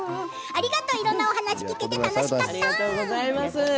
いろんなお話が聞けて楽しかった。